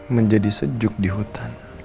menjadi sejuk di hutan